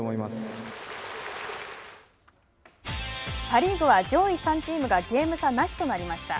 パ・リーグは上位３チームがゲーム差なしとなりました。